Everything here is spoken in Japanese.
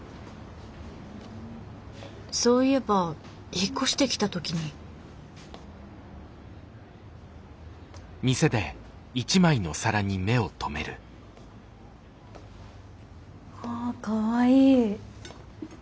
そういえば引っ越してきた時にあかわいい。